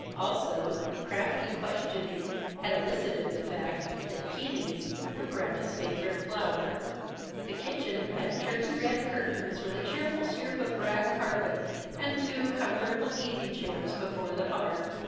Also, crafty questioning had elicited the fact that "pinies" were Gramma's favorite flower. The kitchen had turkey red curtains with a cheerful strip of rag carpet and two comfortable easy chairs before the hearth.